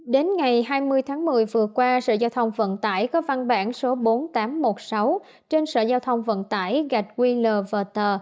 đến ngày hai mươi tháng một mươi vừa qua sở giao thông vận tải có văn bản số bốn nghìn tám trăm một mươi sáu trên sở giao thông vận tải gạch qlver